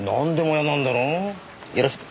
よろしく。